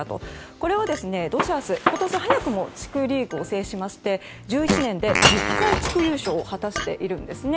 これはドジャース、今年早くも地区リーグを制しまして１１年で１０回、地区優勝を果たしているんですね。